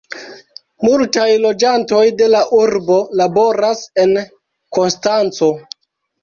Multaj loĝantoj de la urbo laboras en Konstanco.